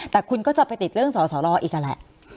แต่คุณก็จะไปติดเรื่องสอสอรออีกนั่นแหละ